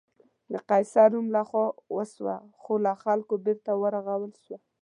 د قیصر روم له خوا وسوه، خو له خلکو بېرته ورغول شوه.